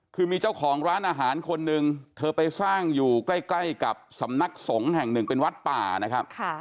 คือมีเจ้าของร้านอาหารคนหนึ่งเธอไปสร้างอยู่ใกล้กับสำนักสงฆ์แห่งหนึ่งเป็นวัดป่านะครับ